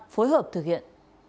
phối hợp thực hiện